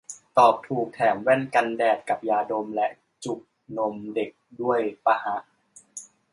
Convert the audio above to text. ตอบถูกแถมแว่นกันแดดกับยาดมและจุกนมเด็กด้วยปะฮะ